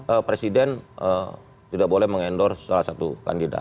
etik presiden tidak boleh mengendor salah satu kandidat